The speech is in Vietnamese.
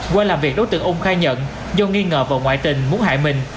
qua làm việc đối tượng ung khai nhận do nghi ngờ vào ngoại tình muốn hại mình